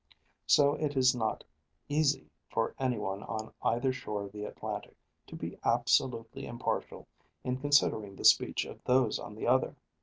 So it is not easy for any one on either shore of the Atlantic to be absolutely impartial in considering the speech of those on the other.